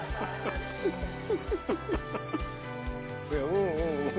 「うんうんうん」